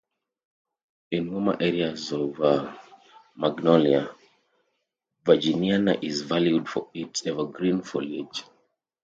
In warmer areas Magnolia virginiana is valued for its evergreen foliage.